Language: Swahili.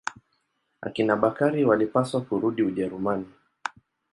Akina Bakari walipaswa kurudi Ujerumani.